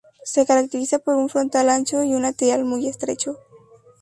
Se caracteriza por un frontal ancho y un lateral muy estrecho.